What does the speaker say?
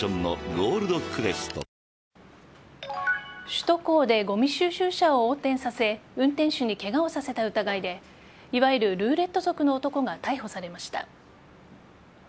首都高でごみ収集車を横転させ運転手にケガをさせた疑いでいわゆるルーレット族の男が逮捕されました。